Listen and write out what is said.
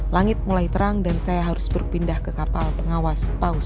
langit mulai terang dan saya harus berpindah ke kapal pengawas paus